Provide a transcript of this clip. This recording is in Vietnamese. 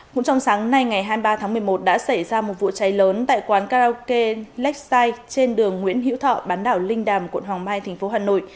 cũng trong sáng nay ngày hai mươi ba tháng một mươi một đã xảy ra một vụ cháy lớn tại quán karaoke lexite trên đường nguyễn hữu thọ bán đảo linh đàm quận hòa mai thành phố hà nội